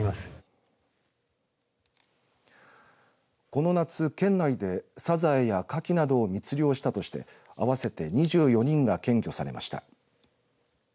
この夏、県内でサザエやカキなどを密漁したとして合わせて２４人が検挙されました。